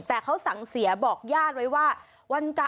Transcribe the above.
แต่เขาสั่งเสียบอกญาติไว้ว่า